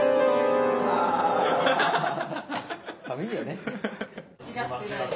寒いよね。